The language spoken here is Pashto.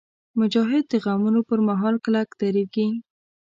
مجاهد د غمونو پر مهال کلک درېږي.